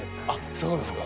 そうですか